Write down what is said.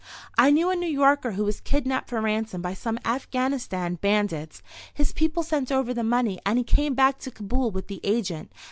I knew a New Yorker who was kidnapped for ransom by some Afghanistan bandits. His people sent over the money and he came back to Kabul with the agent.